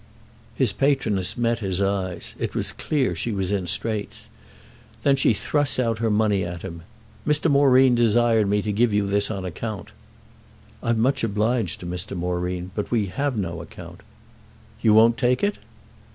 His patroness met his eyes—it was clear she was in straits. Then she thrust out her money at him. "Mr. Moreen desired me to give you this on account." "I'm much obliged to Mr. Moreen, but we have no account." "You won't take it?"